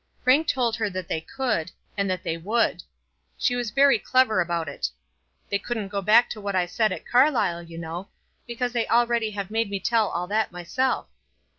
Frank told her that they could, and that they would. She was very clever about it. "They couldn't go back to what I said at Carlisle, you know; because they already have made me tell all that myself."